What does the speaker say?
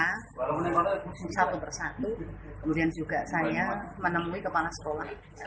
kemudian waktu satu persatu kemudian juga saya menemui kepala sekolah